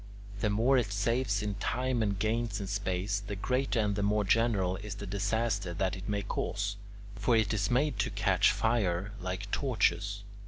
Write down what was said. The more it saves in time and gains in space, the greater and the more general is the disaster that it may cause; for it is made to catch fire, like torches.